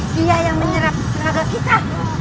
dia yang menyerap tenaga kita